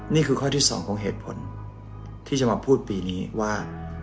นี่คือข้อที่๒ของเหตุผลที่จะมาพูดปีนี้ว่า